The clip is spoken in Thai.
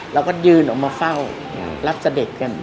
แล้วก็ดืนออกมาเฝ้ารับสเด็ทกัน